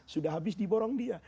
sudah habis diborong dia